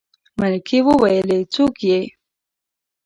ملکې وويلې څوک يې.